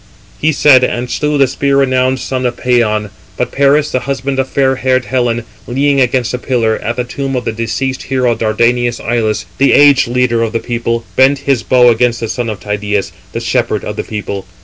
He said, and slew the spear renowned son of Pæon. But Paris, the husband of fair haired Helen, leaning against a pillar, at the tomb of the deceased hero, Dardanian Ilus, the aged leader of the people, bent his bow against the son of Tydeus, the shepherd of the people.